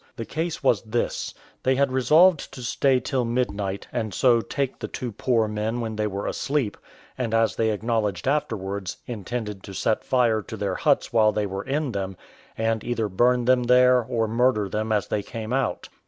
The case was this: they had resolved to stay till midnight, and so take the two poor men when they were asleep, and as they acknowledged afterwards, intended to set fire to their huts while they were in them, and either burn them there or murder them as they came out.